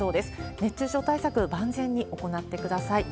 熱中症対策、万全に行ってください。